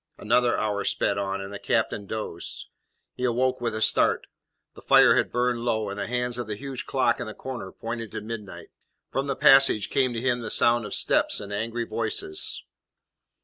Another hour sped on, and the captain dozed. He awoke with a start. The fire had burned low, and the hands of the huge clock in the corner pointed to midnight. From the passage came to him the sound of steps and angry voices.